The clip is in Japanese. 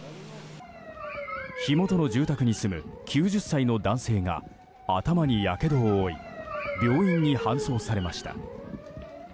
火元の住宅に住む９０歳の男性が頭にやけどを負い病院に搬送されました。